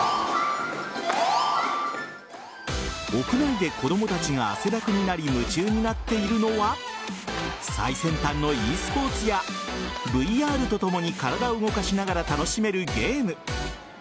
屋内で、子供たちが汗だくになり夢中になっているのは最先端のｅスポーツやＶＲとともに体を動かしながら楽しめるゲーム。